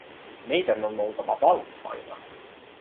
Meidän on oltava valppaina.